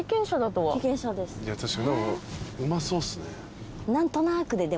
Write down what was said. うまそうっすね。